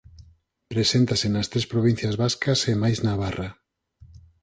Preséntase nas tres provincias vascas e mais Navarra.